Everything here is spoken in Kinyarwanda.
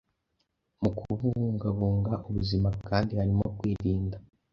Mu kubungabunga ubuzima kandi harimo kwirinda